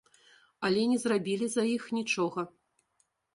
Але не зрабілі за іх нічога.